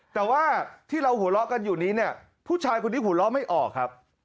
แต่ว่าที่เราหัวเราะกันอยู่นี้เนี่ยผู้ชายคนนี้หัวเราะไม่ออกครับ